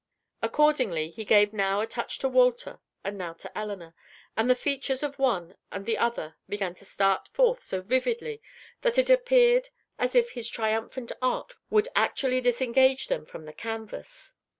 Accordingly, he gave now a touch to Walter, and now to Elinor, and the features of one and the other began to start forth so vividly that it appeared as if his triumphant art would actually disengage them from the canvas.